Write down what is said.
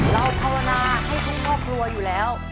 เราพรนาให้ทุกครอบครัวอยู่แล้ว